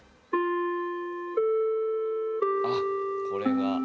あこれが。